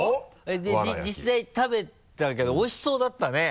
で実際食べたけどおいしそうだったね。